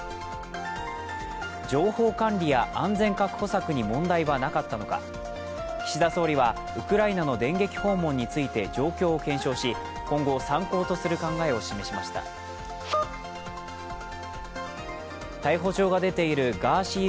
情報管理や安全確保策に問題はなかったのか岸田総理はウクライナの電撃訪問について状況を検証し今後、参考とする考えを示しました逮捕状が出ているガーシー